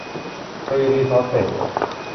กรีน รีซอร์สเซส